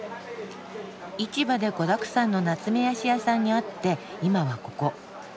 市場で子だくさんのナツメヤシ屋さんに会って今はここ。